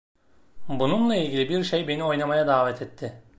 Bununla ilgili bir şey beni oynamaya davet etti.